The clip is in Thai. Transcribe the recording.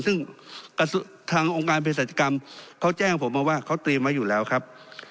ซึ่งทางองค์การเพศรัชกรรมเขาแจ้งผมมาว่าเขาเตรียมไว้อยู่แล้วครับ